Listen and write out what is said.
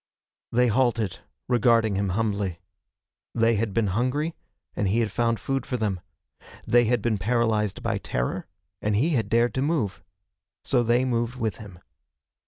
They halted, regarding him humbly. They had been hungry, and he had found food for them. They had been paralyzed by terror, and he had dared to move. So they moved with him.